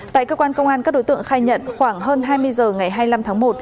tại cơ quan công an các đối tượng khai nhận khoảng hơn hai mươi h ngày hai mươi năm tháng một